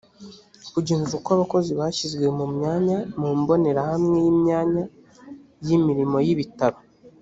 kugenzura uko abakozi bashyizwe mu myanya mu mbonerahamwe y imyanya y imirimo y ibitaro